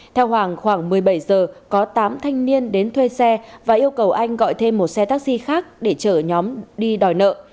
theo hoàng khoảng một mươi bảy giờ có tám thanh niên đến thuê xe và yêu cầu anh gọi thêm một xe taxi khác để chở nhóm đi đòi nợ